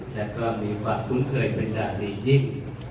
และก็มีความคุ้นเคยเป็นอย่างดียิ่ง